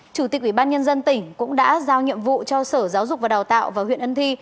chủ tịch ủy ban nhân dân tỉnh cũng đã giao nhiệm vụ cho sở giáo dục và đào tạo và huyện ân thi